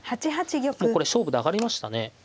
これ勝負で上がりましたね。